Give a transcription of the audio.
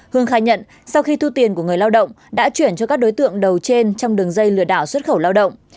hương khai nhận sau khi thu tiền của người lao động đã chuyển cho các đối tượng đầu trên trong đường dây lừa đảo xuất khẩu lao động